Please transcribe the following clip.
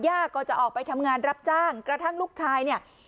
ก็จะออกไปทำงานรับจ้างกระทั่งลูกชายเนี่ย